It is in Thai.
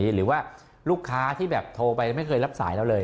หรือว่าลูกค้าที่แบบโทรไปไม่เคยรับสายเราเลย